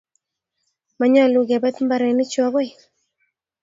Manyalu kebit mbarenichuu agoi